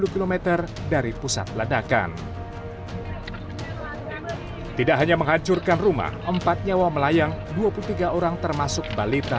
dua puluh km dari pusat ledakan tidak hanya menghancurkan rumah empat nyawa melayang dua puluh tiga orang termasuk balita